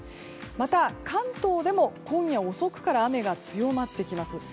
また、関東でも今夜遅くから雨が強まってきます。